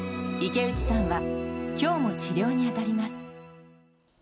池内さんはきょうも治療に当たります。